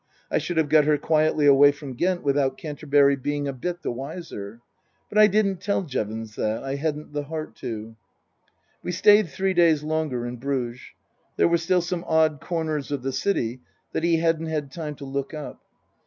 I should have got her quietly away from Ghent without Canterbury being a bit the wiser. But I didn't tell Jevons that. I hadn't the heart to. We stayed three days longer in Bruges. There were still some odd corners of the city that he hadn't had time to look up.